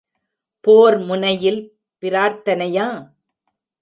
போர் முனையில் பிரார்த்தனையா?